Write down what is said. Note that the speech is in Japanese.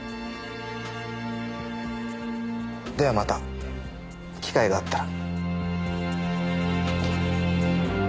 ではまた機会があったら。